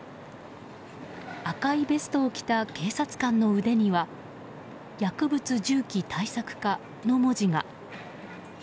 赤いベストを着た警察官の腕には薬物銃器対策課の文字が。